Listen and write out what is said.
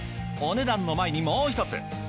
お値段の前にもう一つ。